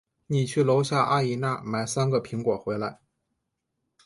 你去楼下阿姨那儿买三个苹果回来。